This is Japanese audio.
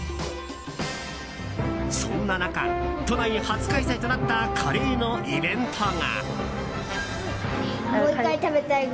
そんな中、都内初開催となったカレーのイベントが。